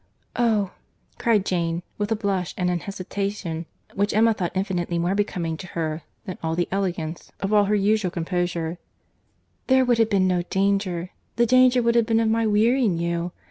"Oh!" cried Jane, with a blush and an hesitation which Emma thought infinitely more becoming to her than all the elegance of all her usual composure—"there would have been no danger. The danger would have been of my wearying you.